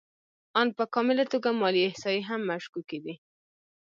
آن په کامله توګه مالي احصایې هم مشکوکې دي